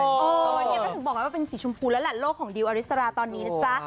ก็ถึงบอกว่าเป็นสีชมพูและหลัดโลกของดิวอาริสาระตอนนี้เนี่ยจ้ะ